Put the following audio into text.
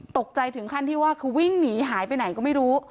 ตกใจถึงขั้นที่ว่าคือวิ่งหนีหายไปไหนก็ไม่รู้